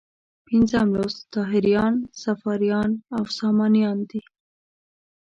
پنځم لوست طاهریان، صفاریان او سامانیان دي.